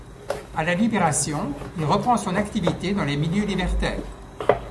A la Libération, il reprend son activité dans les milieux libertaires.